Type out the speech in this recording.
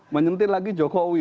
mencintil lagi jokowi